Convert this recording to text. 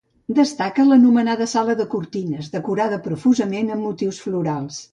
Destaca l'anomenada sala de cortines, decorada profusament amb motius florals.